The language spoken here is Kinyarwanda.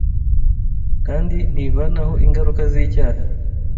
kandi ntivanaho ingaruka z’icyaha